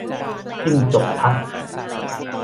จิ้งจกทัก